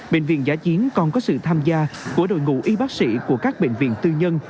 bệnh viện giã chiến còn có sự tham gia của đội ngũ y bác sĩ của các bệnh viện tư nhân